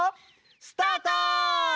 スタート！